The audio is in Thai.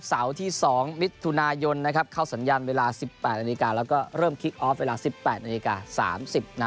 เสาที่๒มิตรทุนายนนะครับเข้าสัญญาณเวลา๑๘นแล้วก็เริ่มคลิกออฟเวลา๑๘น๓๐น